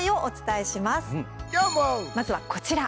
まずは、こちら。